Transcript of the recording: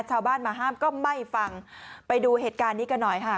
ชาวบ้านมาห้ามก็ไม่ฟังไปดูเหตุการณ์นี้กันหน่อยค่ะ